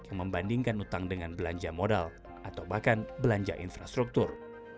yang membandingkan utang dengan belanja modal atau bahkan belanja infrastruktur